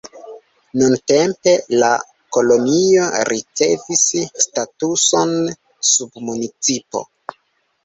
Nuntempe la kolonio ricevis statuson submunicipo.